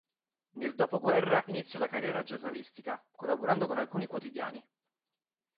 Nel dopoguerra iniziò la carriera giornalistica collaborando con alcuni quotidiani.